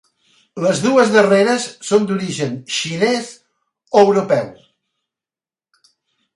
Les dues darreres són d'origen xinès o europeu.